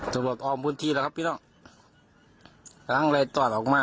ส่วนบอกออมบุญทีแล้วครับพี่น้องหลังไล่ตอดออกมา